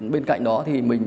bên cạnh đó thì mình